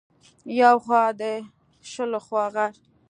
يو خوا د شلخو غر